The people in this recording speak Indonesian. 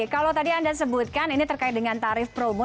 kalau tadi anda sebutkan ini terkait dengan tarif promo